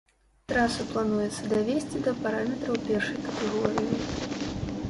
Трасу плануецца давесці да параметраў першай катэгорыі.